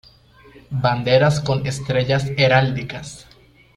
Banderas con estrellas heráldicas